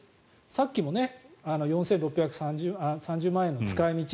さっきも４６３０万円の使い道